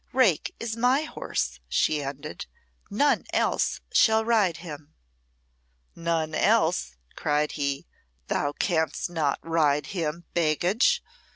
"Rake is my horse," she ended. "None else shall ride him." "None else?" cried he. "Thou canst not ride him, baggage!"